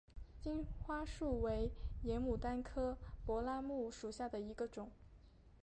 金花树为野牡丹科柏拉木属下的一个种。